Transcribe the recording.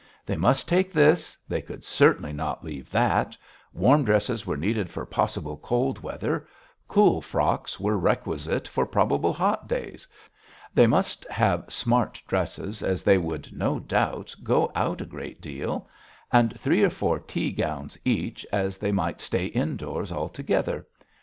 They must take this; they could certainly not leave that; warm dresses were needed for possible cold weather; cool frocks were requisite for probable hot days; they must have smart dresses as they would no doubt go out a great deal; and three or four tea gowns each, as they might stay indoors altogether.